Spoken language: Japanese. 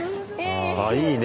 あいいね。